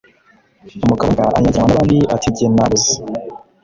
Umugabo mbwa anyagiranwa n’abandi ati jye naboze.